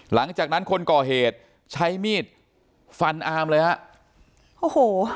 หลังจากนั้นคนก่อเหตุใช้มีดฟันอามเลยฮะโอ้โห